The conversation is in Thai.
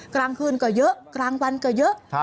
กลางคืนก็เยอะกลางวันก็เยอะ